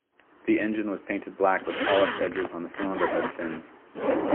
The engine was painted black with polished edges on the cylinder head fins.